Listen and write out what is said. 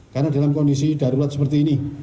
karena dalam kondisi darurat seperti ini